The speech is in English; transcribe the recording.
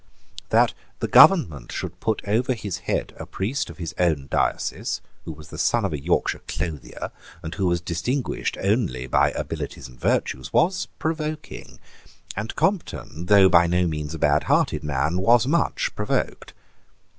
That the government should put over his head a priest of his own diocese, who was the son of a Yorkshire clothier, and who was distinguished only by abilities and virtues, was provoking; and Compton, though by no means a badhearted man, was much provoked.